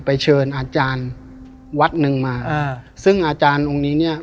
เชิญอาจารย์วัดหนึ่งมาอ่าซึ่งอาจารย์องค์นี้เนี้ย